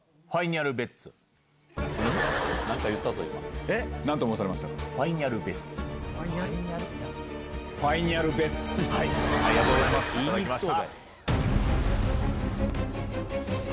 ありがとうございます頂きました。